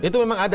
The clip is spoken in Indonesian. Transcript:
itu memang ada